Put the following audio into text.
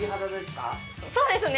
そうですね